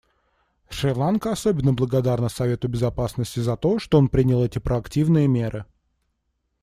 Шри-Ланка особенно благодарна Совету Безопасности за то, что он принял эти проактивные меры.